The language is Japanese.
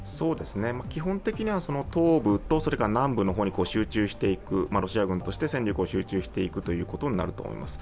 基本的には東部と南部の方に集中していくロシア軍として戦力を集中していくことになると思います。